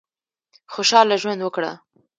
خوشاله ژوند وکړه.